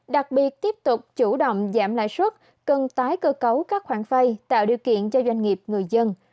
đặc biệt tiếp tục chủ động giảm lãi suất cần tái cơ cấu các khoản vay tạo điều kiện cho doanh nghiệp người dân